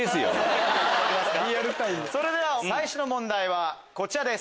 それでは最初の問題はこちらです。